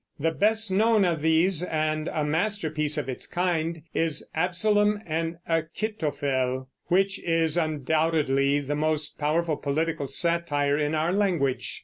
The best known of these, and a masterpiece of its kind, is "Absalom and Achitophel," which is undoubtedly the most powerful political satire in our language.